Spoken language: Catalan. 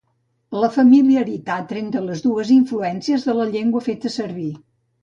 La familiaritat entre les dues influències de la llengua feta servir.